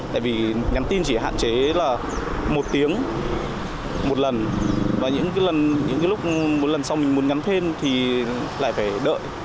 tại vì nhắn tin chỉ hạn chế là một tiếng một lần và những lúc một lần sau mình muốn nhắn thêm thì lại phải đợi